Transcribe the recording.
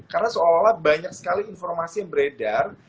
karena seolah olah banyak sekali informasi yang beredar